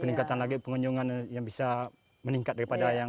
peningkatan lagi pengunjungan yang bisa meningkat daripada yang